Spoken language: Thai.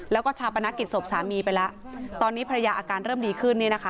แล้วก็ชาปนกิจศพสามีไปแล้วตอนนี้ภรรยาอาการเริ่มดีขึ้นเนี่ยนะคะ